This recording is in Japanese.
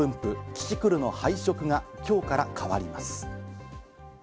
キキクルの配色が今日から変わります。